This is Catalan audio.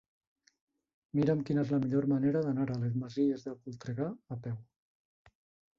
Mira'm quina és la millor manera d'anar a les Masies de Voltregà a peu.